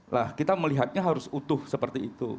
nah kita melihatnya harus utuh seperti itu